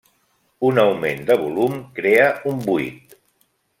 Un augment de volum crea un Buit.